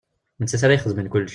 D nettat ara ixedmen kulec.